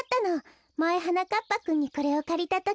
まえはなかっぱくんにこれをかりたとき。